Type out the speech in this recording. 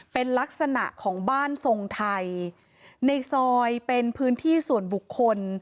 เป็นลักษณะของบ้านทรงไทยในซอยเป็นพื้นที่ส่วนบุคคล